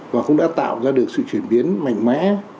và cũng đã tạo ra được sự chuyển biến mạnh mẽ